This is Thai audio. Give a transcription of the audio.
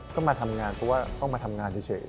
ก็มาทำงานเพราะว่าต้องมาทำงานเฉย